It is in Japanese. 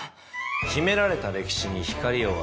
秘められた歴史に光を当てる。